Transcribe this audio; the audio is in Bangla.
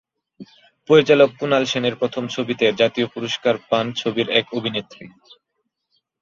পরিচালক কুনাল সেনের প্রথম ছবিতে জাতীয় পুরস্কার পান ছবির এক অভিনেত্রী।